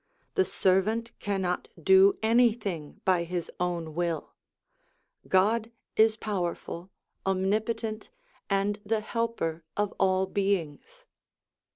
The servant cannot do anything by his own will; God is powerful, Omnipotent, and the Helper of all' beings.